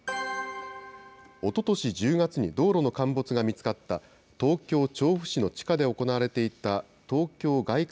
おととし１０月に道路の陥没が見つかった東京・調布市の地下で行われていた東京外